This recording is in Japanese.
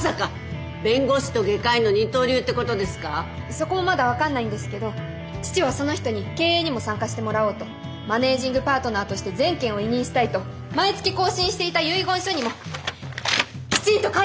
そこもまだ分かんないんですけど父はその人に経営にも参加してもらおうとマネージングパートナーとして全権を委任したいと毎月更新していた遺言書にもきちんと書いてあるんです。